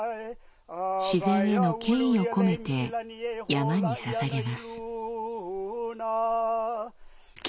自然への敬意を込めて山に捧げます。